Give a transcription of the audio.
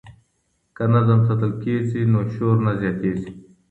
که نظم ساتل کېږي نو شور نه زیاتېږي.